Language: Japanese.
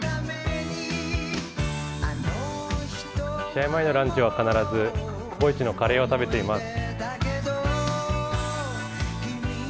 試合前のランチは必ず、ＣｏＣｏ壱番のカレーを食べています。